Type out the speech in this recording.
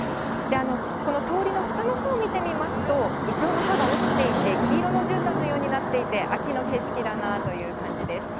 この通りの下のほう見てみますと、イチョウの葉が落ちていて、黄色のじゅうたんのようになっていて、秋の景色だなという感じです。